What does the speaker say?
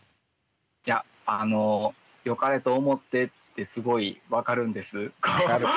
いやあのよかれと思ってってすごい分かるんです。